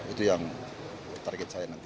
itu yang target saya nanti